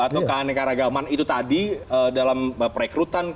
atau keanekaragaman itu tadi dalam perekrutan